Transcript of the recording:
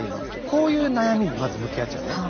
こういう悩みにまず向き合っちゃうのね。